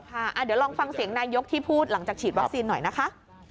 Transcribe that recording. เดี๋ยวลองฟังเสียงนายกที่พูดหลังจากฉีดวัคซีนหน่อยนะคะ